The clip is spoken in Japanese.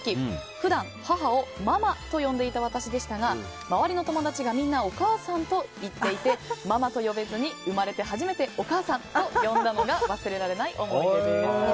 普段、母をママと呼んでいた私でしたが周りの友達がみんなお母さんと言っていてママと呼べずに生れて初めてお母さんと呼んだのが忘れられない思い出です。